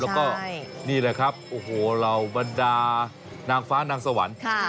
แล้วก็นี่แหละครับโอ้โหเหล่าบรรดานางฟ้านางสวรรค์